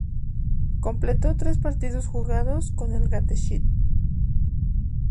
Completó tres partidos jugados con el Gateshead.